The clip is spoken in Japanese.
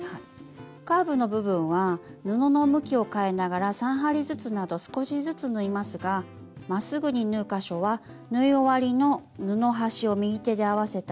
カーブの部分は布の向きを変えながら３針ずつなど少しずつ縫いますがまっすぐに縫う箇所は縫い終わりの布端を右手で合わせたら。